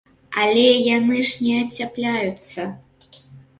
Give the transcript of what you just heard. Але яны ж не ацяпляюцца.